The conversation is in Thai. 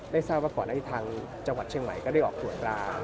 ได้ทราบว่าขวานาฬิทางจังหวัดเชียงใหม่ก็ได้ออกตรวจรา